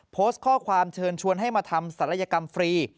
โพสต์ข้อความเชิญชวนให้มาทำศัลยกรรมฟรี